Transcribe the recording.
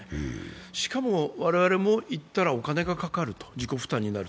しかも我々も行ったらお金がかかると、自己負担になると。